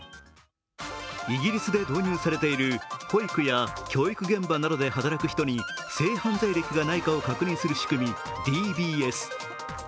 イギリスで導入されている、保育や教育現場などで働く人に性犯罪歴がないかを確認する仕組み、ＤＢＳ。